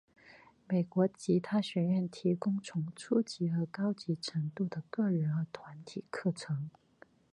美国吉他学院提供从初级到高级程度的个人和团体课程。